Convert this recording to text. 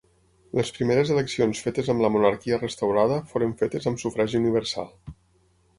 Les primeres eleccions fetes amb la monarquia restaurada foren fetes amb sufragi universal.